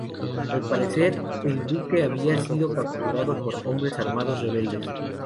Al parecer, el buque había sido capturado por hombres armados rebeldes.